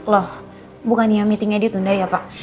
loh bukannya meetingnya ditunda ya pak